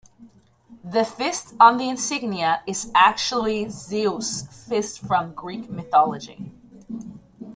The fist on the Insignia is actually Zeus' fist from Greek Mythology.